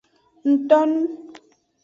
Ngtonu.